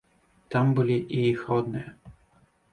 Там былі і іх родныя.